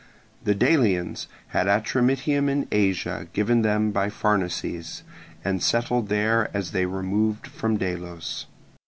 The Delians had Atramyttium in Asia given them by Pharnaces, and settled there as they removed from Delos.